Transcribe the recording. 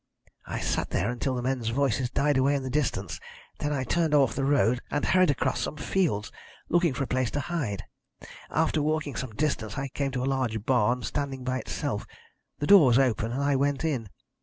I sat there until the men's voices died away in the distance, then I turned off the road, and hurried across some fields, looking for a place to hide. After walking some distance I came to a large barn, standing by itself. The door was open, and I went in.